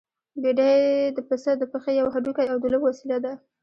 بېډۍ د پسه د پښې يو هډوکی او د لوبو وسيله ده.